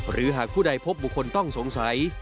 หากผู้ใดพบบุคคลต้องสงสัย